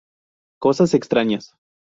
Costas extrañas.